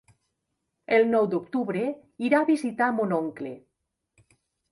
El nou d'octubre irà a visitar mon oncle.